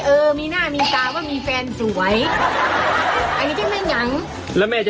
โอ้โห